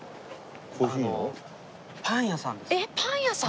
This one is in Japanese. えっパン屋さん？